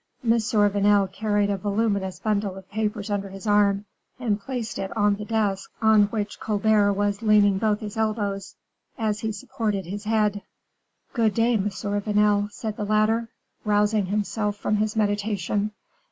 M. Vanel carried a voluminous bundle of papers under his arm, and placed it on the desk on which Colbert was leaning both his elbows, as he supported his head. "Good day, M. Vanel," said the latter, rousing himself from his meditation.